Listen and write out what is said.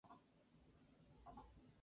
Fichó en con los St.